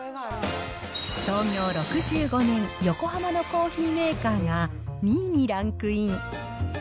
創業６５年、横浜のコーヒーメーカーが２位にランクイン。